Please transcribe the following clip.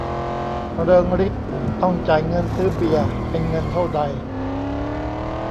เริงฤทธิ์ต้องจ่ายเงินซื้อเบียร์เป็นเงินเท่าใด